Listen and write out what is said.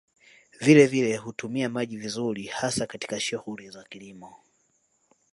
Vilevile kutumia maji vizuri hasa katika shughuli za kilimo